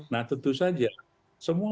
nah tentu saja semua